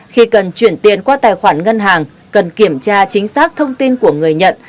khi cần chuyển tiền qua tài khoản ngân hàng cần kiểm tra chính xác thông tin của người nhận